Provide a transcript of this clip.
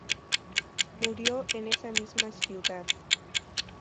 Murió en esa misma ciudad.